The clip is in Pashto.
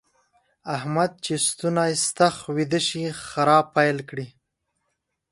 احمد چې ستونی ستخ ويده شي؛ خرا پيل کړي.